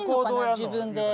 自分で。